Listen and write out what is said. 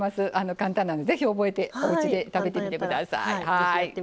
簡単なんでぜひ覚えておうちで食べてみてください。